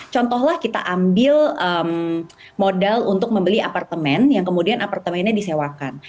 contohlah kita ambil modal untuk membeli apartemen yang kemudian apartemennya disewakan